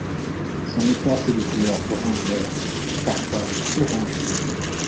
Son écorce est de couleur brun-vert, parfois orangée.